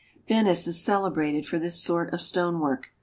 Venice is celebrated for this sort of stonework.